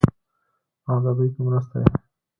او ددوي پۀ مرسته ئې